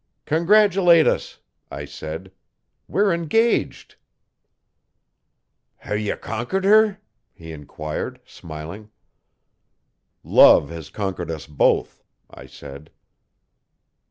'Congratulate us,' I said. 'We're engaged. 'Hey ye conquered her?' he enquired smiling. 'Love has conquered us both,' I said.